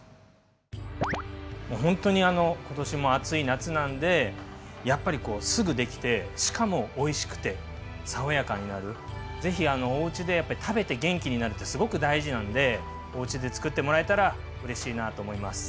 もうほんとに今年も暑い夏なんでやっぱりすぐできてしかもおいしくて爽やかになるぜひおうちでやっぱり食べて元気になるってすごく大事なのでおうちで作ってもらえたらうれしいなと思います。